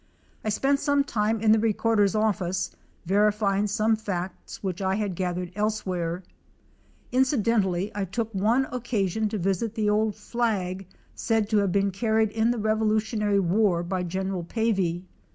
I spent some time in the recorder's office verifying some facts which I had gathered elsewhere Incidentally I took oc casion to visit the old flag said to have been carried in the revolu tionary war by General Pavey.